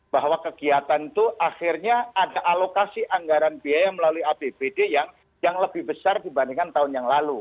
bahwa kegiatan itu akhirnya ada alokasi anggaran biaya melalui apbd yang lebih besar dibandingkan tahun yang lalu